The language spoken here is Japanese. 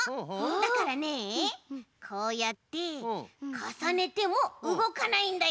だからねこうやってかさねてもうごかないんだよ。